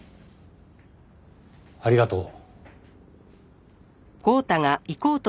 ありがとう。